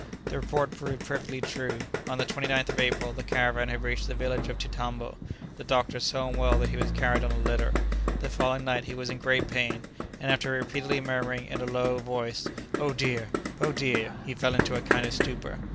The report proved perfectly true. On the 29th of April the caravan had reached the village of Chitambo, the doctor so unwell that he was carried on a litter. The following night he was in great pain, and after repeatedly murmuring in a low voice, "Oh dear, oh dear!" he fell into a kind of stupor.